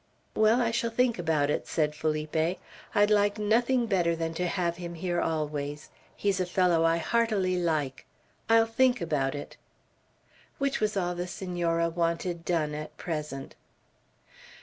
"Well, I shall think about it," said Felipe. "I'd like nothing better than to have him here always. He's a fellow I heartily like. I'll think about it." Which was all the Senora wanted done at present.